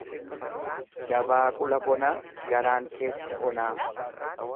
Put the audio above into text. Dabaaqula bonaa garaan keessi onaa.